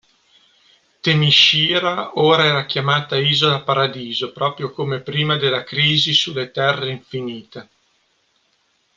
Themyscira ora era chiamata Isola Paradiso proprio come prima della "Crisi sulle Terre Infinite".